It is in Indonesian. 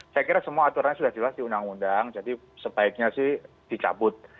saya kira semua aturannya sudah jelas di undang undang jadi sebaiknya sih dicabut